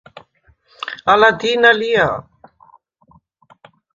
ალა დი̄ნა ლია?